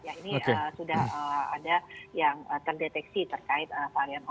ya ini sudah ada yang terdeteksi terkait varian omikron ba dua ini